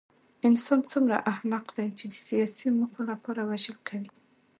انسان څومره احمق دی چې د سیاسي موخو لپاره وژل کوي